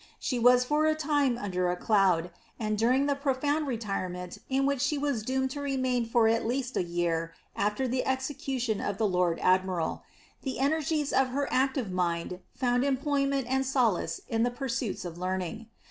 She was for a time under a cloud, and during the profound retirement in which she was doomed to remain for at least a year after the execution of the lord admiral, the energies of her active mind found employment and solace in the pursuits of learning.